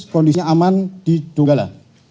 kondisinya aman di donggala